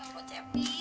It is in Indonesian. ya ampun cepi